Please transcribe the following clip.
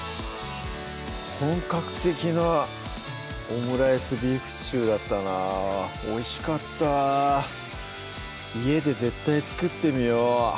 本格的なオムライスビーフシチューだったなおいしかった家で絶対作ってみよう！